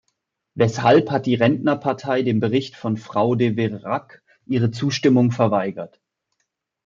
Weshalb hat die Rentnerpartei dem Bericht von Frau de Veyrac ihre Zustimmung verweigert?